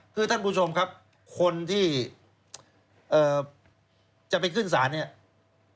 คือท่านผู้ชมครับคนที่จะไปขึ้นสาร